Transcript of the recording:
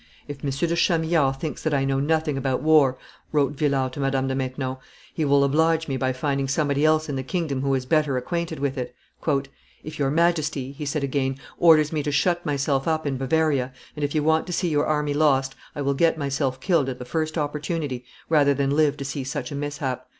"If M. de Chamillard thinks that I know nothing about war," wrote Villars to Madame de Maintenon, "he will oblige me by finding somebody else in the kingdom who is better acquainted with it." "If your Majesty," he said again, "orders me to shut myself up in Bavaria, and if you want to see your army lost, I will get myself killed at the first opportunity rather than live to see such a mishap."